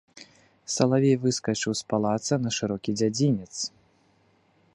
Салавей выскачыў з палаца на шырокі дзядзінец.